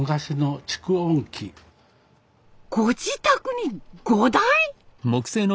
ご自宅に５台！